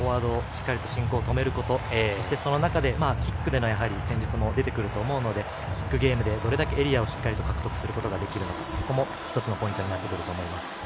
しっかりと進行を止めることその中でキックでの戦術も出てくると思うのでキックゲームでどれだけしっかり獲得できるかそこも１つのポイントになってくると思います。